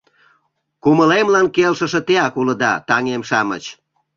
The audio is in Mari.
Кумылемлан келшыше теак улыда, таҥем-шамыч.